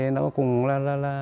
nó cũng là